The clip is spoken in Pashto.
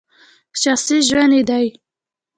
شخصي ژوند یې دی !